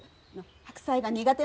白菜が苦手